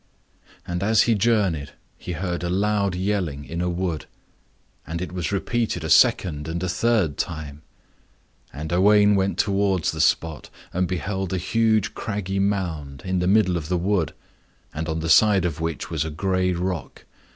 And as he journeyed he heard a loud yelling in a wood. And it was repeated a second and a third time. And Owain went towards the spot, and beheld a huge craggy mound, in the middle of the wood, on the side of which was a gray rock.